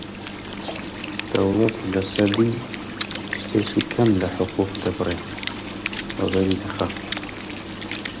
دەوڵەت لە سەدی شتێکی کەم لە حقووق دەبڕێ، وەبەری دەخا